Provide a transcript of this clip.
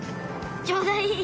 ちょうどいい！